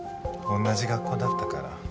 同じ学校だったから。